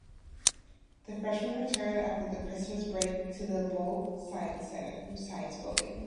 The Freshmen return after the Christmas break to the Boughl Science Building.